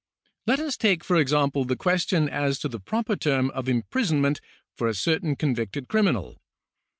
Let us take, for example, the question as to the proper term of imprisonment for a certain convicted criminal.